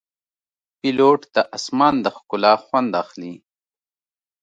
پیلوټ د آسمان د ښکلا خوند اخلي.